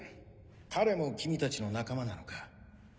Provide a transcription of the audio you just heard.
彼も君たちの仲間なのか？